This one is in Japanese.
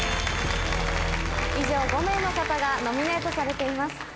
以上５名の方がノミネートされています。